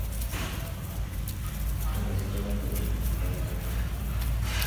El resultado fue "Barclay James Harvest".